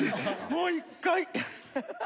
もう１回。